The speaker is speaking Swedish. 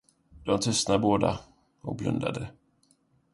De tystnade båda, och blundade.